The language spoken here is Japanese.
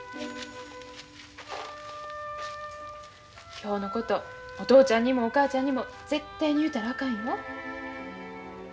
今日のことお父ちゃんにもお母ちゃんにも絶対に言うたらあかんよ。